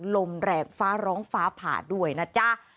ลมแรงฟ้าร้องฟ้าผ่าด้วยนะจ๊ะ